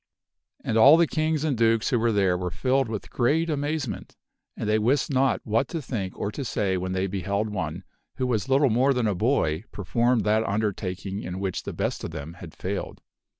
And all the kings and dukes who were there were filled with great amazement, and they wist not what to think or to say when they beheld one who was little more than a boy perform that undertaking in which the best of them had failed.